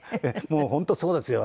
もう本当そうですよ